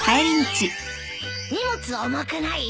荷物重くない？